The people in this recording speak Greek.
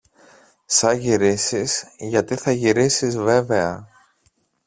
Σα γυρίσεις, γιατί θα γυρίσεις βέβαια.